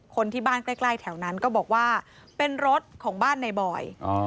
คนที่บ้านใกล้แถวนั้นก็บอกว่าเป็นรถของบ้านในบอย